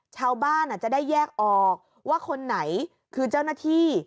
ชาวบ้านอาจจะได้แยกออกว่าคนไหนคือเจ้าหน้าที่